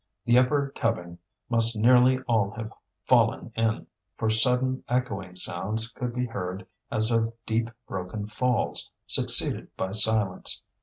The upper tubbing must nearly all have fallen in, for sudden echoing sounds could be heard as of deep broken falls, succeeded by silence.